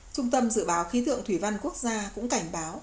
trung tâm dự báo khí tượng thủy văn quốc gia cũng cảnh báo